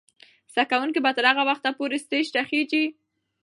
زده کوونکې به تر هغه وخته پورې سټیج ته خیژي.